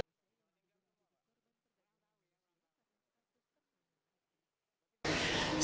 apa pengalaman anda dalam hidup anda